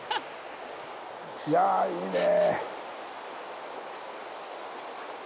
いやぁ、いいねぇ。